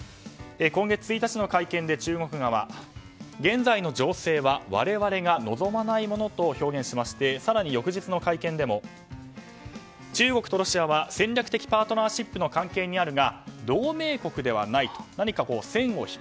今月１日の会見で中国側現在の情勢は我々が望まないものと表現しまして更に翌日の会見でも中国とロシアは戦略的パートナーシップの関係にあるが同盟国ではないと。